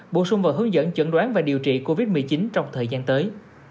bổ sung vào hướng dẫn chẩn đoán và điều trị covid một mươi chín trong thời gian tới